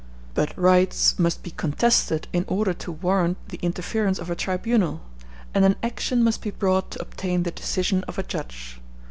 But rights must be contested in order to warrant the interference of a tribunal; and an action must be brought to obtain the decision of a judge.